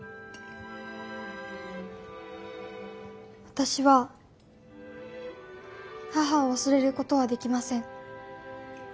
私は母を忘れることはできません。